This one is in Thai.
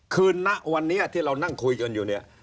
คืนณะวันนี้ที่เรานั่งคุยกันอยู่